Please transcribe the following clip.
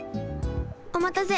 おまたせ。